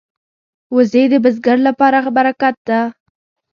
وزې د بزګر لپاره برکت ده